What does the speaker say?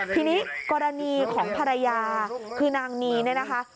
ทีนี้กรณีของภรรยาคือนางนีเนี่ยนะคะ